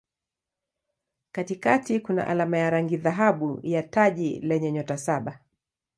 Katikati kuna alama ya rangi dhahabu ya taji lenye nyota saba.